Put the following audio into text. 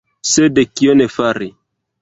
Sed kion fari?!